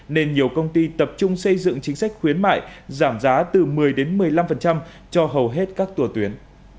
nên nhiều công ty tập trung xây dựng chính sách khuyến mại giảm giá từ một mươi một mươi năm cho hầu hết các tùa tuyến